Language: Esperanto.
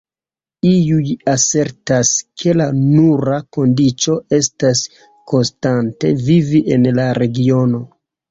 Iuj asertas ke la nura kondiĉo estas konstante vivi en la regiono.